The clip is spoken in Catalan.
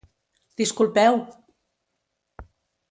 Disculpeu!